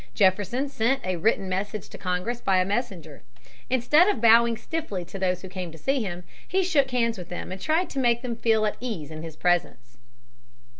Jefferson sent a written message to Congress by a messenger. Instead of bowing stiffly to those who came to see him, he shook hands with them and tried to make them feel at ease in his presence.